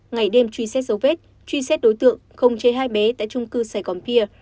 ngày đêm truy xét dấu vết truy xét đối tượng không chế hai bé tại trung cư sài gòn pia